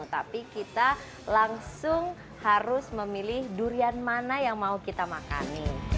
tapi kita langsung harus memilih durian mana yang mau kita makan